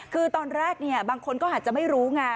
คือตอนแรกเนี่ยบางคนก็อาจจะไม่รู้ง่ะ